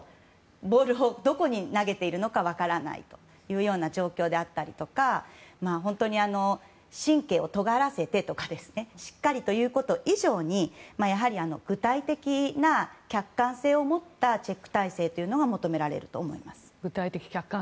ボールをどこに投げているのか分からないという状況であったり本当に神経をとがらせてとかしっかりということ以上にやはり具体的な客観性を持ったチェック体制というのが求められると思います。